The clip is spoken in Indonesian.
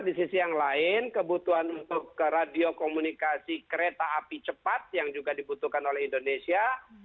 di sisi yang lain kebutuhan untuk radio komunikasi kereta api cepat yang juga dibutuhkan oleh indonesia